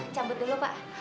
cabut dulu pak